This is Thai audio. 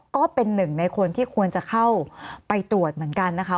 ก็เป็นหนึ่งในคนที่ควรจะเข้าไปตรวจเหมือนกันนะคะ